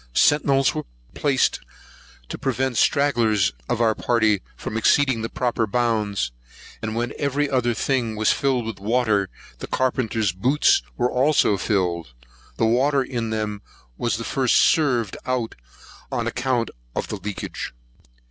Centinels were placed to prevent stragglers of our party from exceeding the proper bounds; and when every other thing was filled with water, the carpenter's boots were also filled. The water in them was first served out, on account of leakage.